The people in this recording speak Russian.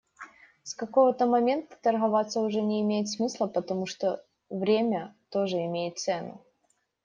С какого-то момента торговаться уже не имеет смысла, потому что время тоже имеет цену.